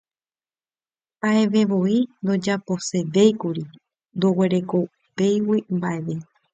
Mba'evevoi ndojaposevéikuri ndoguerekovéigui mavavépe.